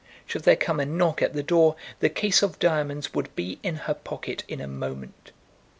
Should there come a knock at the door, the case of diamonds would be in her pocket in a moment.